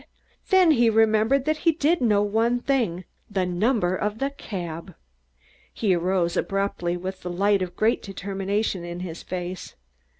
Then he remembered that he did know one thing the number of the cab! He arose abruptly, with the light of a great determination in his face.